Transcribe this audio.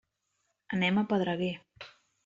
Anem a Pedreguer.